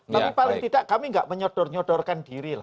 tapi paling tidak kami tidak menyodor nyodorkan diri lah